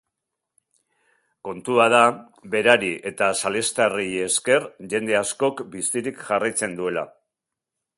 Kontua da berari eta salestarrei esker jende askok bizirik jarraitzen duela.